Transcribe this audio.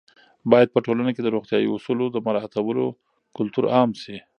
باید په ټولنه کې د روغتیايي اصولو د مراعاتولو کلتور عام شي.